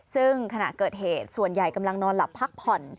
ซึ่งขณะเกิดเหตุส่วนใหญ่กำลังนอนหลับพักผ่อน